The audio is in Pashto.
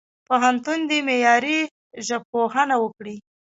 پوهنتون دي معیاري ژبپوهنه وکړي.